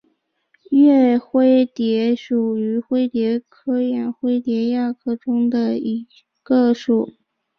岳灰蝶属是灰蝶科眼灰蝶亚科中的一个属。